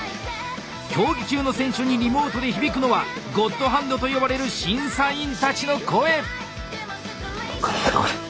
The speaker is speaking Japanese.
競技中の選手にリモートで響くのはゴッドハンドと呼ばれる審査員たちの声！